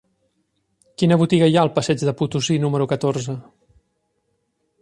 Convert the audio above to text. Quina botiga hi ha al passeig de Potosí número catorze?